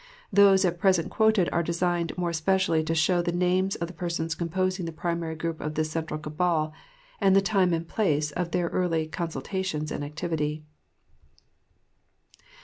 Those at present quoted are designed more especially to show the names of the persons composing the primary group of this central cabal, and the time and place of their early consultations and activity.